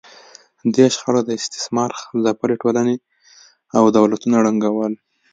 دې شخړو استثمار ځپلې ټولنې او دولتونه ړنګول